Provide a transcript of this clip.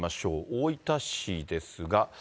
大分市ですが。